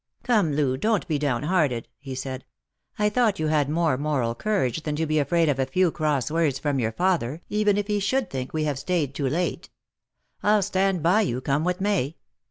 " Come, Loo, don't be down hearted," he said ;" I thought you had more moral courage than to be afraid of a few cross words from your father, even if he should think we have stayed too late. I'll stand by you, come what may.